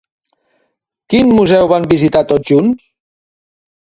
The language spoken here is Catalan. Quin museu van visitar tots junts?